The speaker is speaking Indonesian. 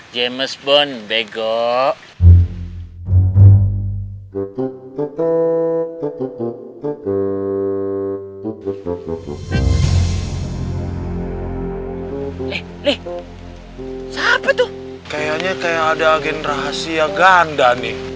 kayaknya kayak ada agen rahasia ganda nih